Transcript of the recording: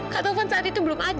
kak taufan saat itu belum ada